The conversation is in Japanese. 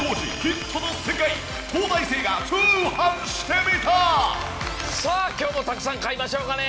フォー！さあ今日もたくさん買いましょうかね。